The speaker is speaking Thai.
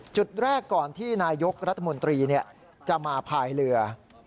จุดแรกก่อนที่นายกรัฐมนตรีจะมาพายเรือ